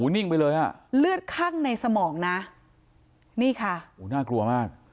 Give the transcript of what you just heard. นิ่งไปเลยฮะเลือดคั่งในสมองนะนี่ค่ะโอ้น่ากลัวมาก